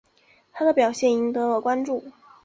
他的表现赢得了关注。